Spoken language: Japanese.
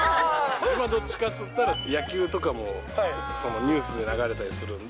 自分はどっちかって言ったら、野球とかもニュースで流れたりするんで。